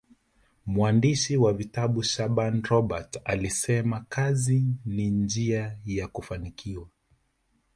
mwandishi wa vitabu shaaban robert alisema kazi ni njia ya kufanikiwa